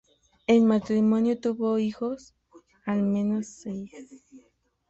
El matrimonio tuvo al menos seis hijos.